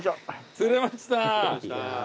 釣れました。